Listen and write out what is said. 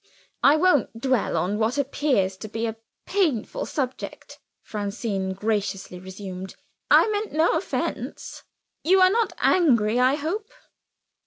"I won't dwell on what appears to be a painful subject," Francine graciously resumed. "I meant no offense. You are not angry, I hope?"